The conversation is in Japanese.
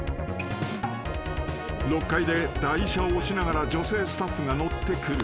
［６階で台車を押しながら女性スタッフが乗ってくる］